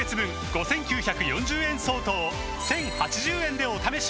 ５，９４０円相当を１，０８０円でお試しいただけます